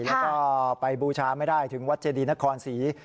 แล้วก็ไปบูชาไม่ได้ถึงวัดเจดีนครศรี